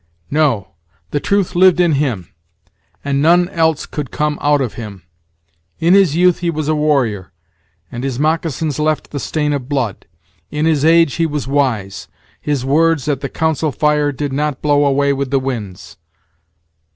No; the truth lived in him, and none else could come out of him. In his youth he was a warrior, and his moccasins left the stain of blood. In his age he was wise; his words at the council fire did not blow away with the winds."